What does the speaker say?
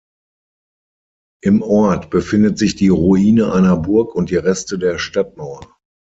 Im Ort befindet sich die Ruine einer Burg und die Reste der Stadtmauer.